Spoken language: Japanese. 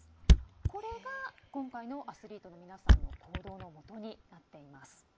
これが、今回のアスリートの皆さんの行動のもとになっています。